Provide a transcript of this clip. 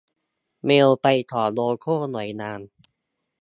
เมลไปขอโลโก้หน่วยงาน